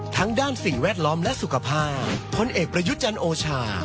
ทั้งด้านสิ่งแวดล้อมและสุขภาพพลเอกประยุทธ์จันทร์โอชา